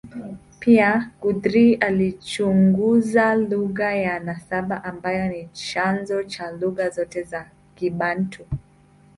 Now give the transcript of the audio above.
Pia, Guthrie alichunguza lugha ya nasaba ambayo ni chanzo cha lugha zote za Kibantu.